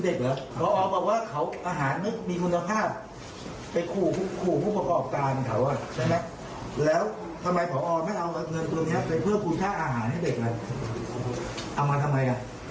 เอามาแล้วทำไมผอไม่เอาเงินตัวนี้ไปเพื่อคุณค่าอาหารให้เด็กล่ะเอามาทำไมอ่ะ